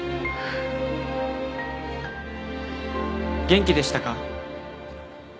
元気でしたか？